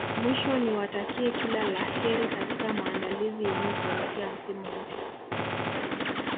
Mwisho niwatakie kila la kheri katika maandalizi yenu kuelekea msimu mpya